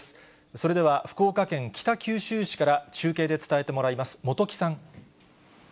それでは福岡県北九州市から中継で伝えてもらいます。